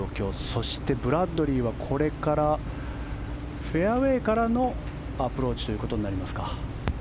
そしてブラッドリーはこれからフェアウェーからのアプローチということになりますか。